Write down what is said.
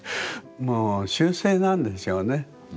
もう習性なんでしょうね。